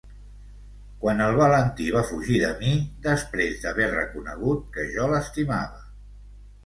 Quan el Valentí va fugir de mi, després d'haver reconegut que jo l'estimava...